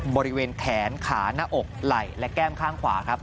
บริเวณแขนขาหน้าอกไหล่และแก้มข้างขวาครับ